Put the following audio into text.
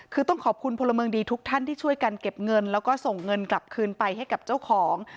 คือต้องขอบคุณพลเมืองดีทุกท่านที่ช่วยกันเก็บเงินแล้วก็ส่งเงินกลับคืนไปให้กับเจ้าของ